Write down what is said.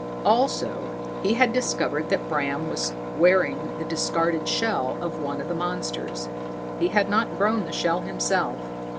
Also he had discovered that Bram was wearing the discarded shell of one of the monsters: he had not grown the shell himself.